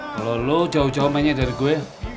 kalau lo jauh jauh mainnya dari gue